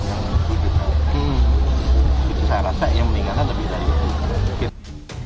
jadi saya rasa yang meninggalnya lebih dari itu